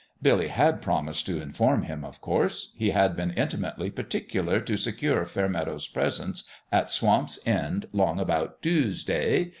Billy had promised to inform him, of course : he had been intimately particular to secure Fairmeadow's presence at Swamp's End " 'long about Toosday."